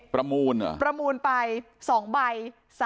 ประมูลอ่ะประมูลไป๒ใบ๓๐๐